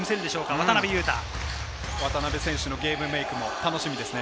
渡邊選手のゲームメイクも楽しみですよね。